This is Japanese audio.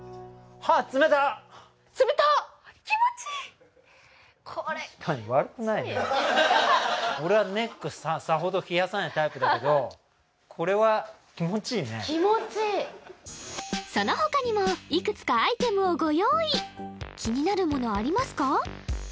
確かに俺はネックさほど冷やさないタイプだけどこれは気持ちいいね気持ちいいその他にもいくつかアイテムをご用意気になるものありますか？